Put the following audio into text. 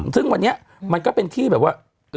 ซึ่งวันนี้มันก็เป็นที่แบบว่า